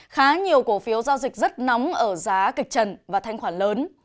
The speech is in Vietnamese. khá nhiều cổ phiếu giao dịch rất nóng ở giá kịch trần và thanh khoản lớn